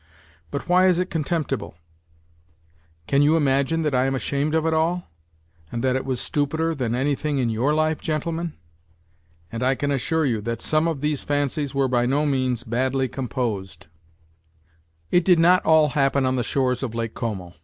But why is it con temptible ? Can you imagine that I am ashunu d of it all, and that it was stupider than anything in your life, gentlemen ? And I can assure you that some of these fancies were by no meang NOTES FROM UNDERGROUND 95 badly composed. ... It did not all happen on the shores of Lake Como.